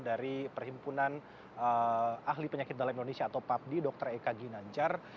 dari perhimpunan ahli penyakit dalam indonesia atau papdi dr eka ginanjar